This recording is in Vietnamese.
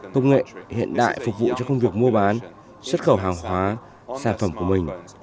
công nghệ hiện đại phục vụ cho công việc mua bán xuất khẩu hàng hóa sản phẩm của mình